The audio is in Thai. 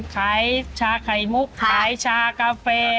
ขายชาไข่มุกขายชากาแฟ